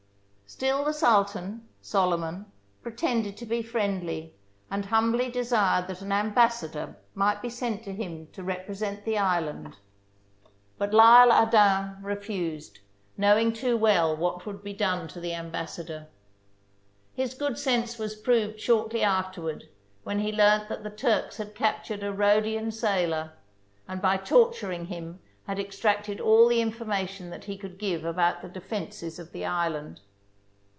Still the Sultan, Solyman, pretended to be friendly, and humbly desired that an ambassador might be sent to him to represent the island, but L'Isle Adam refused, knowing too well what would be done to the ambassador. His good sense was proved shortly afterward when he learned that the Turks had captured a Rhodian sailor, and by torturing him had extracted all the information that he could give about the defences of the island.